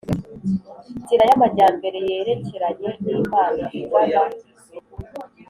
Nzira y Amajyambere yerekeranye n impano ingana